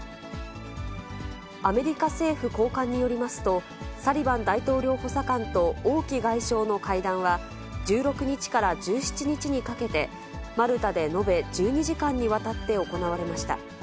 アメリカ政府高官によりますと、サリバン大統領補佐官と王毅外相の会談は、１６日から１７日にかけて、マルタで延べ１２時間にわたって行われました。